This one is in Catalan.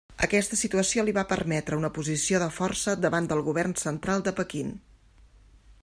Aquesta situació li va permetre una posició de força davant del Govern Central de Pequín.